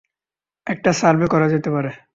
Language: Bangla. একটা সার্ভে করা যেতে পারে।